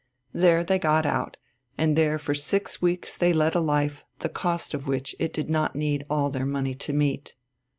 There they got out, and there for six weeks they led a life the cost of which it did not need all their money to meet.